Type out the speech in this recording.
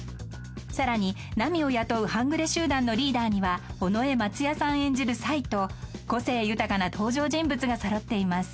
［さらにナミを雇う半グレ集団のリーダーには尾上松也さん演じるサイと個性豊かな登場人物が揃っています］